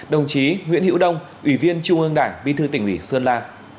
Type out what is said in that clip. đồng chí nguyễn hữu đông ủy viên trung ương đảng bí thư tỉnh ủy sơn la